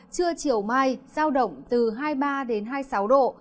trưa chiều mai giao động từ hai mươi ba đến hai mươi sáu độ